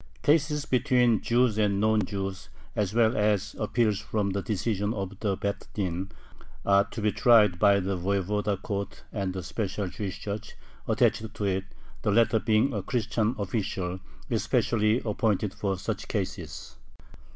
Cases between Jews and non Jews as well as appeals from the decisions of the Beth Din are to be tried by the voyevoda court and the special "Jewish judge" attached to it, the latter being a Christian official especially appointed for such cases.